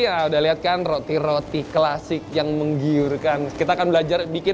ya udah lihat kan roti roti klasik yang menggiurkan kita akan belajar bikin